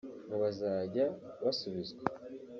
ngo bazajya basubizwa